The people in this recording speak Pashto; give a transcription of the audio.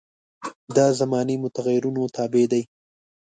دا زماني متغیرونو تابع دي.